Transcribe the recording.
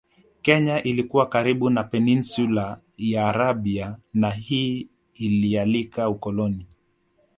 Kenya ilikuwa karibu na Peninsula ya Arabia na hii ilialika ukoloni